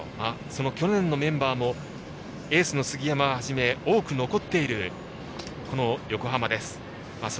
その去年のメンバーもエースの杉山をはじめ多く残っている横浜です。